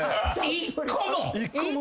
１個も！？